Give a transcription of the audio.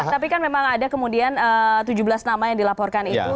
tapi kan memang ada kemudian tujuh belas nama yang dilaporkan itu